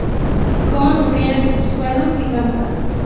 Come pequeños bivalvos y gambas.